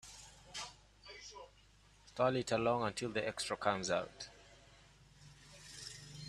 Stall it along until the extra comes out.